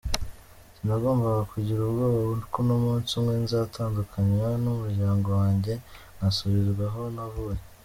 Sinagombaga kugira ubwoba ko umunsi umwe nzatandukanywa n’umuryango wanjye, ngasubizwa aho navuye.